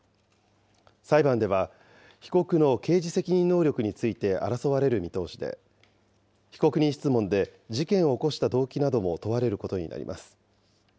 裁判では、被告の刑事責任能力について争われる見通しで、被告人質問で事件を起こした動機なども問われることになります。